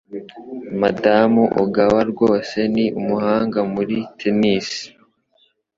Madamu Ogawa rwose ni umuhanga muri tennis.